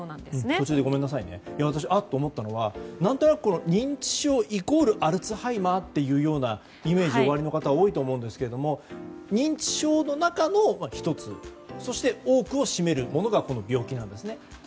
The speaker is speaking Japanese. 途中でごめんなさい私、あっと思ったのは何となく認知症イコールアルツハイマーというようなイメージがおありの方が多いとも思いますが認知症の中の１つその中で、多くを占めるものがアルツハイマー病なんですね。